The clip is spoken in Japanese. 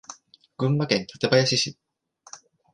群馬県館林市